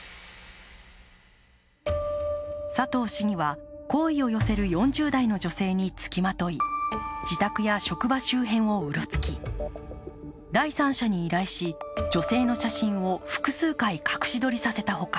佐藤市議は好意を寄せる４０代の女性につきまとい、自宅や職場周辺をうろつき第三者に依頼し、女性の写真を複数回隠し撮りさせたほか、